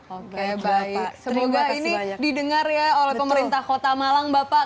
oke baik semoga ini didengar ya oleh pemerintah kota malang bapak